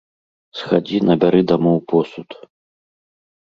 Схадзі, набяры дамоў посуд.